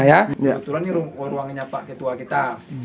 kebetulan ini ruangannya pak ketua kita